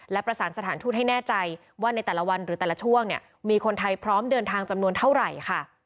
และประสานสถานทูตให้แน่ใจว่าในแต่ละวันหรือแต่ละช่วงเนี่ยมีคนไทยพร้อมเดินทางจำนวนเท่าไหร่ค่ะ